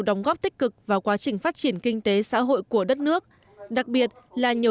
đóng góp tích cực vào quá trình phát triển kinh tế xã hội của đất nước đặc biệt là nhiều